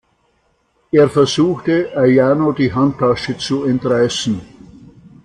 Er versuchte, Ayano die Handtasche zu entreißen.